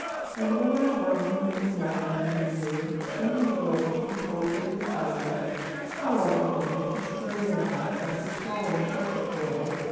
And when I found you had been writing to him here, sending the letter to be posted in Cairo (how like a woman, to strain at a gnat, after swallowing such a camel!)